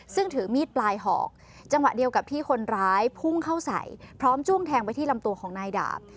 ซึ่งถือมีดปลายหอกจังหวะเดียวกับที่คนร้ายพุ่งเข้าใส่พร้อมจ้วงแทงไปที่ลำตัวของนายดาบ